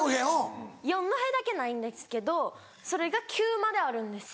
四戸だけないんですけどそれが九まであるんですよ。